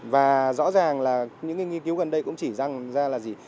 và rõ ràng là những nghiên cứu gần đây cũng chỉ rằng ra là gì